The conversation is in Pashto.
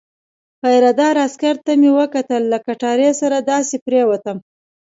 پیره دار عسکر ته مې وکتل، له کټارې سره داسې پرېوتم.